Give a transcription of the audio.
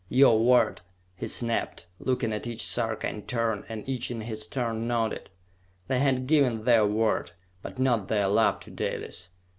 "Your word!" he snapped, looking at each Sarka in turn, and each in his turn nodded. They had given their word, but not their love, to Dalis.